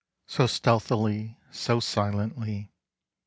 So stealthily, so silently!